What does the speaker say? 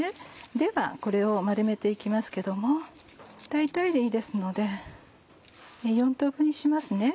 ではこれを丸めて行きますけども大体でいいですので４等分にします。